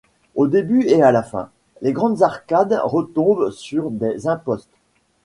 Au début et à la fin, les grandes arcades retombent sur des impostes.